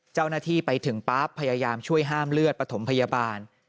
เจ้าหน้าที่ไปถึงปั๊บพยายามช่วยห้ามเลือดปฐมพยาบาล